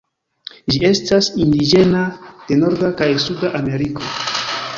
Ĝi estas indiĝena de Norda kaj Suda Ameriko.